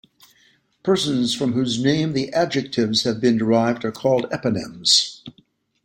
Persons from whose name the adjectives have been derived are called eponyms.